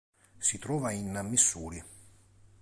Si trovava in Missouri.